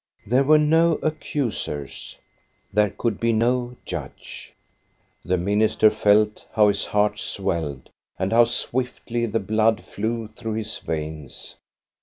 There were no accusers ; there could be no judge. The minister felt how his heart swelled and how swiftly the blood flew through his veihs.